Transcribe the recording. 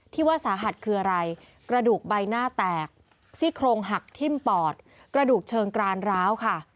ที่ว่าสาหัสคืออะไรกระดูกใบหน้าแตกซี่โครงหักทิ้มปอดกระดูกเชิงกรานร้าวค่ะ